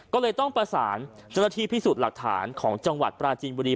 ก็เลยต้องประสานเจ้าหน้าที่พิสูจน์หลักฐานของจังหวัดปราจีนบุรี